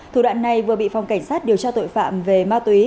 thủ đoạn này vừa bị phòng cảnh sát điều tra tội phạm về ma túy